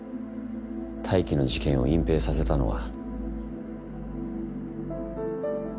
泰生の事件を隠蔽させたのは。